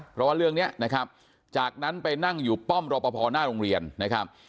เพราะว่าเรื่องนี้นะครับจากนั้นไปนั่งอยู่ป้อมรอปภหน้าโรงเรียนนะครับ